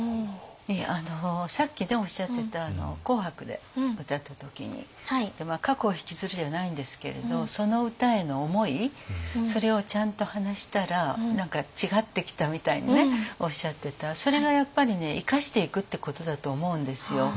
さっきおっしゃってた「紅白」で歌った時に過去をひきずるじゃないんですけれどその歌への思いそれをちゃんと話したら違ってきたみたいにおっしゃってたそれがやっぱりね生かしていくってことだと思うんですよ。